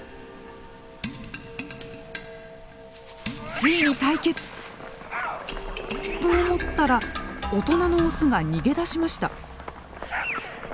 ついに対決！と思ったら大人のオスが逃げ出しました。